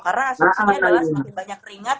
karena asal asalnya adalah semakin banyak keringat